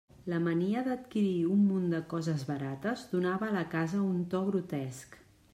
La mania d'adquirir un munt de coses barates donava a la casa un to grotesc.